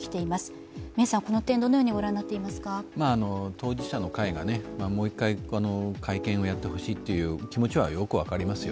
当事者の会がもう一回、会見をやってほしいという気持ちはよく分かりますよ